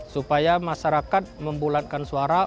supaya masyarakat membulatkan suara